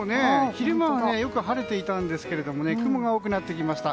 昼間はよく晴れていたんですが雲が多くなってきました。